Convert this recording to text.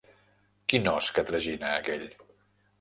Quin os que tragina, aquell!